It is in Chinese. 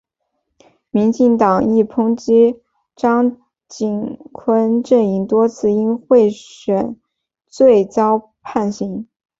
民进党亦抨击张锦昆阵营多次因贿选罪遭判刑。